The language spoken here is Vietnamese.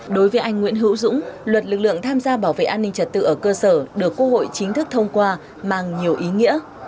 đối với anh nguyễn hữu dũng luật lực lượng tham gia bảo vệ an ninh trật tự ở cơ sở được quốc hội chính thức thông qua mang nhiều ý nghĩa